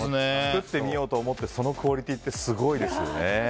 作ってみようと思ってそのクオリティーってすごいですよね。